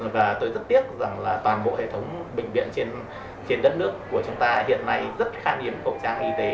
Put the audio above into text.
và tôi rất tiếc rằng là toàn bộ hệ thống bệnh viện trên đất nước của chúng ta hiện nay rất khan hiếm khẩu trang y tế